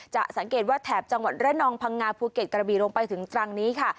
สังเกตว่าแถบจังหวัดระนองพังงาภูเก็ตกระบีลงไปถึงตรังนี้ค่ะ